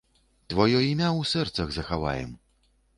Тваё імя ў сэрцах захаваем.